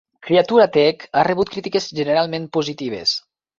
"Criatura Tech" ha rebut crítiques generalment positives.